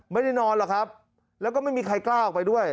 ไม่ได้นอนหรอกครับแล้วก็ไม่มีใครกล้าออกไปด้วย